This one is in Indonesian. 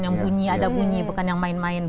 yang bunyi ada bunyi bukan yang main main